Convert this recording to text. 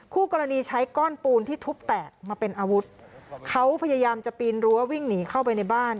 คู่กรณีใช้ก้อนปูนที่ทุบแตกมาเป็นอาวุธเขาพยายามจะปีนรั้ววิ่งหนีเข้าไปในบ้าน